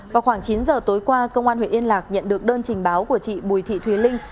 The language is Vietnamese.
vào khoảng chín giờ tối qua công an huyện yên lạc nhận được đơn trình báo của chị bùi thị thúy linh